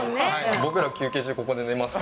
僕ら休憩中、ここで寝ますか